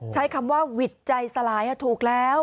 ใช้คำว่าหวิดใจสลายถูกแล้ว